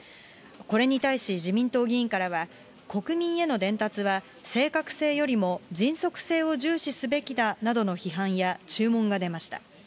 これに対し自民党議員からは、国民への伝達は、正確性よりも迅速性を重視すべきだなどの批判や、注文が出ました。